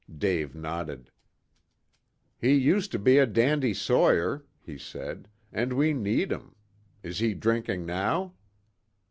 Dave nodded. "He used to be a dandy sawyer," he said, "and we need 'em. Is he drinking now?"